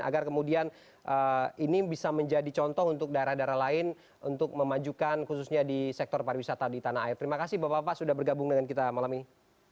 agar kemudian ini bisa menjadi contoh untuk daerah daerah lain untuk memajukan khususnya di sektor pariwisata di tanah air terima kasih bapak bapak sudah bergabung dengan kita malam ini